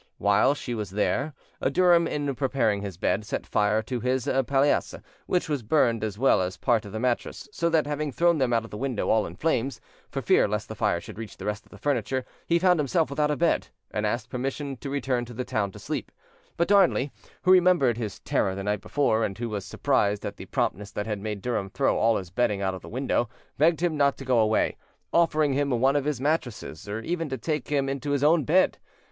While she was there, Durham, in preparing his bed, set fire to his palliasse, which was burned as well as a part of the mattress; so that, having thrown them out of the window all in flames, for fear lest the fire should reach the rest of the furniture, he found himself without a bed, and asked permission to return to the town to sleep; but Darnley, who remembered his terror the night before, and who was surprised at the promptness that had made Durham throw all his bedding out of the window, begged him not to go away, offering him one of his mattresses, or even to take him into his own bed.